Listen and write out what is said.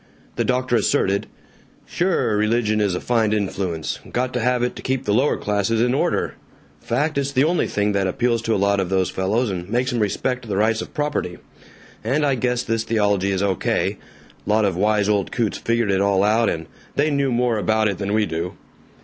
The doctor asserted, "Sure, religion is a fine influence got to have it to keep the lower classes in order fact, it's the only thing that appeals to a lot of those fellows and makes 'em respect the rights of property. And I guess this theology is O.K.; lot of wise old coots figured it all out, and they knew more about it than we do."